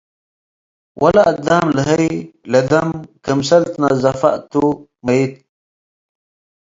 ወለአዳ'ም ለሀይ ለደም ክምሰል ትነዘፈ እቱ'- መይት።